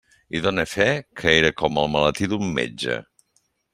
I done fe que era com el maletí d'un metge.